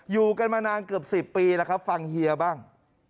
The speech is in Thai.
อยู่กันมานานเกือบ๑๐ปีแล้วครับฟังเฮียบ้าง